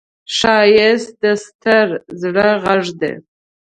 ښایست د ستر زړه غږ دی